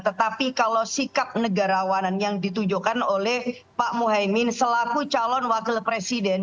tetapi kalau sikap negarawanan yang ditunjukkan oleh pak muhaymin selaku calon wakil presiden